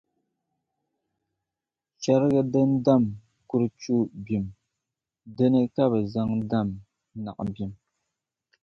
Chɛriga din dam kurchu bim dini ka bɛ zaŋ dam naɣ’ bim.